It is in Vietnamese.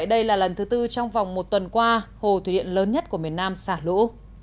đây là đợt xả lũ lớn nhất của miền nam xả lũ